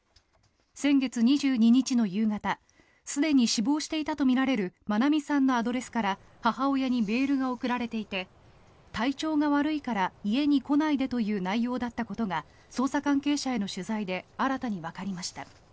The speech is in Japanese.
先月２２日の夕方すでに死亡していたとみられる愛美さんのアドレスから母親にメールが送られていて体調が悪いから家に来ないでという内容だったことが捜査関係者への取材で新たにわかりました。